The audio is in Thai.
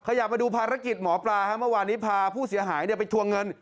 อยากมาดูภารกิจหมอปลาเมื่อวานนี้พาผู้เสียหายไปทวงเงิน